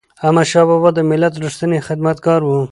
احمدشاه بابا د ملت ریښتینی خدمتګار و.